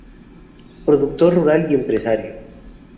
Productor rural y empresario.